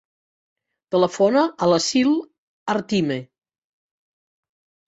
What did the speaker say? Telefona a l'Assil Artime.